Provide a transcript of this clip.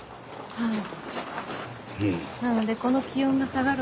はい。